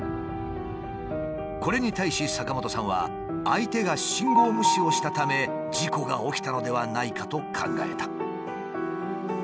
これに対し坂本さんは相手が信号無視をしたため事故が起きたのではないかと考えた。